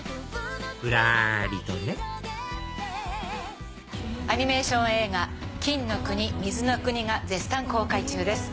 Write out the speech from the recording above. ぶらりとねアニメーション映画『金の国水の国』が絶賛公開中です。